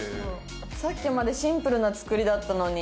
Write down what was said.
さっきまでシンプルな造りだったのに。